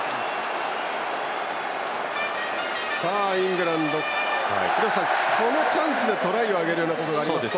イングランド、このチャンスでトライを挙げることがありますと。